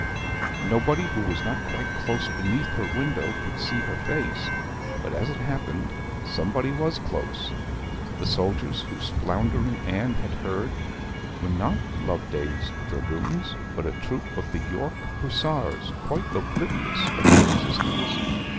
Nobody who was not quite close beneath her window could see her face; but as it happened, somebody was close. The soldiers whose floundering Anne had heard were not Loveday's dragoons, but a troop of the York Hussars, quite oblivious of her existence.